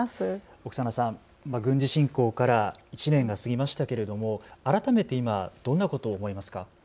オクサーナさん、軍事侵攻から１年が過ぎましたけれども改めて今、どんなことを思いますか。